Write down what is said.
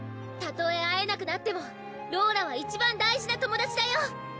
たとえ会えなくなってもローラは一番大事な友達だよ！